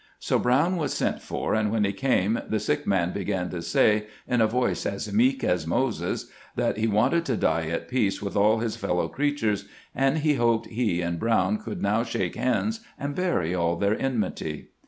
So Brown was sent for, and when he came the sick man began to say, in a voice as meek as Moses's, that he wanted to die at peace with all his f eUow creatures, and he hoped he and Brown could now shake hands and bury all their enmity.